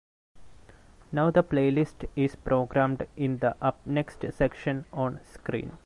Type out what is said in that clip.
Now the playlist is programmed in the 'Up Next' section on screen.